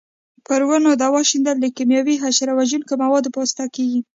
پر ونو دوا شیندل د کېمیاوي حشره وژونکو موادو په واسطه کېږي.